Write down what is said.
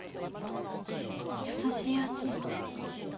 優しい味。